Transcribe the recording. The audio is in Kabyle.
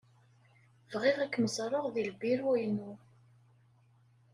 Bɣiɣ ad kem-ẓreɣ deg lbiru-inu.